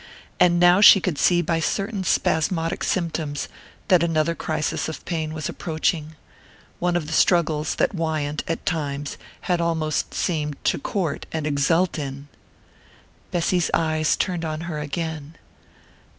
And now she could see by certain spasmodic symptoms that another crisis of pain was approaching one of the struggles that Wyant, at times, had almost seemed to court and exult in. Bessy's eyes turned on her again.